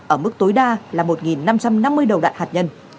ở mức tối đa là một năm trăm năm mươi đầu đạn hạt nhân